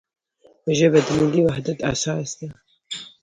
ژبه د ملي وحدت اساس ده.